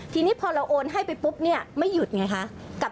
ทีนี้พอเราโอนให้ไปปุ๊บเนี่ยไม่หยุดไงคะ